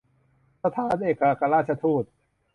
สถานเอกอัครราชทูต